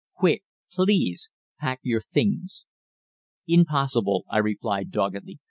Quick, please, pack your things." "Impossible," I replied doggedly.